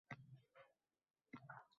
So‘ng hayajonga qanday bas kelish mumkinligi